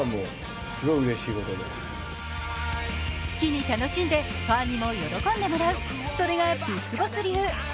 好きに楽しんでファンにも喜んでもらうそれがビッグボス流。